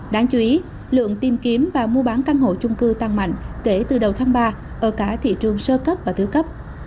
đáng chú ý lượng tìm kiếm và mua bán căn hộ chung cư tăng mạnh kể từ đầu tháng ba ở cả thị trường sơ cấp và thứ cấp